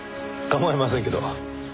構いませんけど。